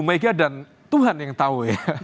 mega dan tuhan yang tahu ya